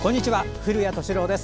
古谷敏郎です。